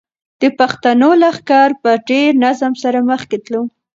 د پښتنو لښکر په ډېر نظم سره مخکې تلو.